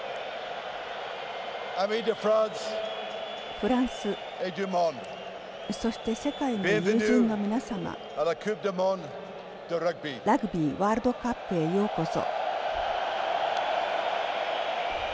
フランスそして、世界の友人の皆様ラグビーワールドカップへようこそ。